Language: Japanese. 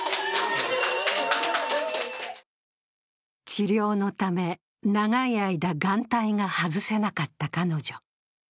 治療のため、長い間眼帯が外せなかった彼女。